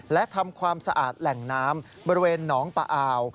และทำความสะอาดแหล่งน้ำบริเวณหนองปะอาว